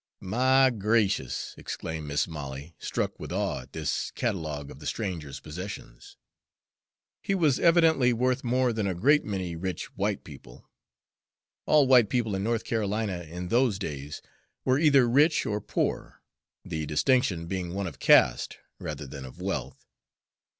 "My gracious!" exclaimed Mis' Molly, struck with awe at this catalogue of the stranger's possessions he was evidently worth more than a great many "rich" white people, all white people in North Carolina in those days were either "rich" or "poor," the distinction being one of caste rather than of wealth.